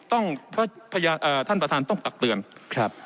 ท่านประธานต้องตักเตือนครับ